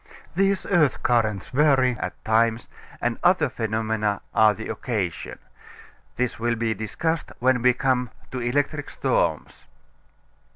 These earth currents vary at times, and other phenomena are the occasion. This will be discussed when we come to electric storms.